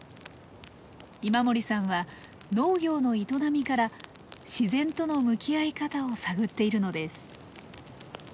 今森さんは農業の営みから自然との向き合い方を探っているのです。